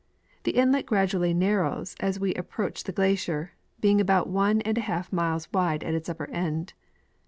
The inlet gradually nar rows as we approach the glacier, being about one and a half miles wide at its upper end.